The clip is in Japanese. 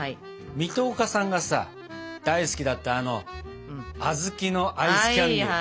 水戸岡さんがさ大好きだったあのあずきのアイスキャンデー。